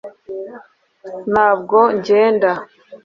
ntabwo ngenda